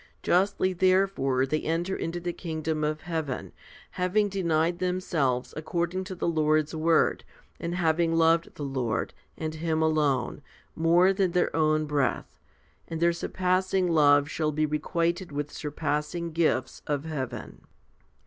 Justly therefore they enter into the kingdom of heaven, having denied themselves according to the Lord's word, and having loved the Lord, and Him alone, more than their own breath ; and their surpassing love shall be HOMILY V 51 requited with surpassing gifts of heaven.